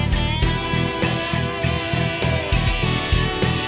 tak usah makasih